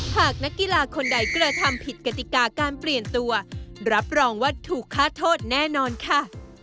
หากนักกีฬาคนใดกระทำผิดกติกาการเปลี่ยนตัวรับรองว่าถูกฆ่าโทษแน่นอนค่ะ